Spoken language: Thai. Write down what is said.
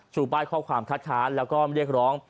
ป้ายข้อความคัดค้านแล้วก็เรียกร้อง